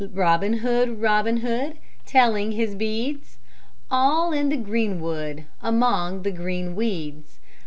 Robin Hood, Robin Hood, Telling his beads, All in the greenwood Among the green weeds.